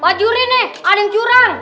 pak juri nih ada yang jurang